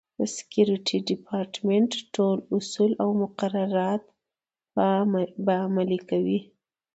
د سکورټي ډیپارټمنټ ټول اصول او مقررات به عملي کوي.